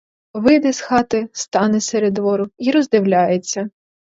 Вийде з хати, стане серед двору й роздивляється.